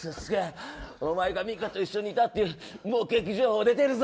お前がみかと一緒にいたっていう情報も出てるぞ。